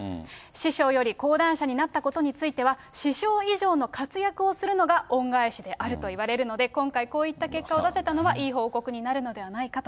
師匠より高段者になったことについては、師匠以上の活躍をするのが恩返しであるといわれるので、今回、こういった結果を出せたのはいい報告になるのではないかと。